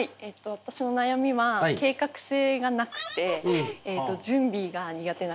私の悩みは計画性がなくて準備が苦手なことです。